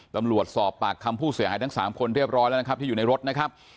ตำรวจสอบปากคำผู้เสียหายทั้ง๓คนเรียบร้อยแล้วนะครับที่อยู่ในรถนะครับ